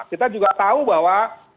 kita juga tahu bahwa